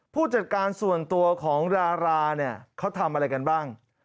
ผู้จัดการส่วนตัวของดาราเนี่ยเขาทำอะไรกันบ้าง